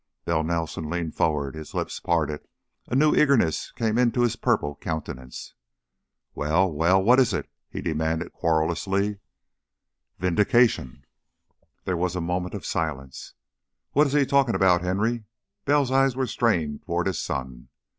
Bell Nelson leaned forward, his lips parted, a new eagerness came into his purple countenance. "Well, well! What is it?" he demanded, querulously. "Vindication!" There was a moment of silence. "What is he talking about, Henry?" Bell's eyes were strained toward his son.